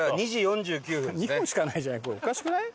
２本しかないじゃないこれおかしくない？